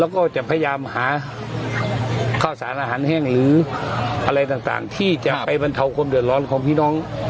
แล้วก็จะพยายามหาข้าวสารอาหารแห้งหรืออะไรต่างที่จะไปบรรเทาความเดือดร้อนของพี่น้อง